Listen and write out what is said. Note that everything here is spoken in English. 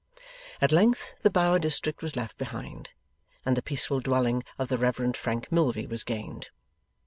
At length the Bower district was left behind, and the peaceful dwelling of the Reverend Frank Milvey was gained.